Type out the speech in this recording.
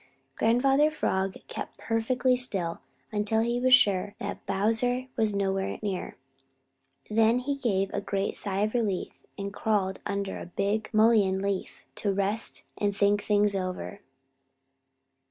Grandfather Frog kept perfectly still until he was sure that Bowser was nowhere near. Then he gave a great sigh of relief and crawled under a big mullein leaf to rest, and think things over.